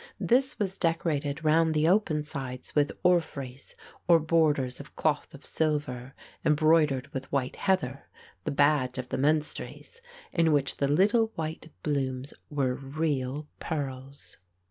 This was decorated round the open sides with orphreys or borders of cloth of silver embroidered with white heather, the badge of the Menstries, in which the little white blooms were real pearls.